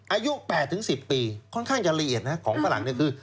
อายุ๘๑๐ปีค่อนข้างจะละเอียดนะของฝรั่ง